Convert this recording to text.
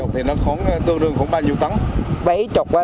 bảy mươi thì nó tương đương khoảng bao nhiêu tấn